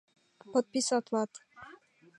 Подписатлат.